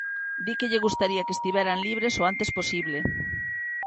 Di que lle gustaría que estiveran libres o antes posible.